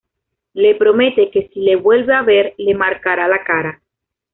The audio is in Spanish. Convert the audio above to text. Le promete que si le vuelve a ver le marcará la cara.